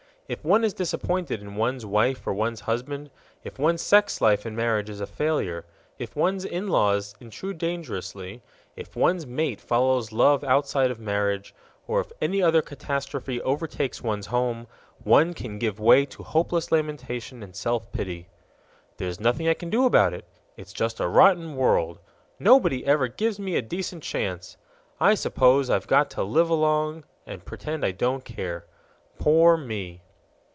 If one is disappointed in one's wife or one's husband, if one's sex life in marriage is a failure, if one's in laws intrude disastrously, if one's mate follows loves outside of marriage, or if any other catastrophe overtakes one's home, one can give way to hopeless lamentation and self pity: "There's nothing I can do about it. It's just a rotten world. Nobody ever gives me a decent chance. I suppose I've got to live along and pretend I don't care. Poor me!"